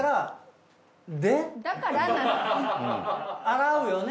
洗うよね